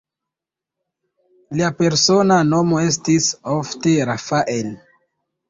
Lia persona nomo estis ofte "Rafael".